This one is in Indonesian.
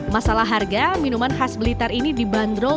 masalah harga minuman khas blitar ini dibanderol